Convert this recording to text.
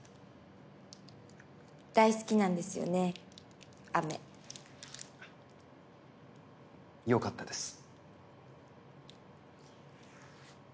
大好きなんですよねあめ。よかったです。